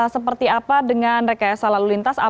seperti apa dengan rekayasa lalu lintas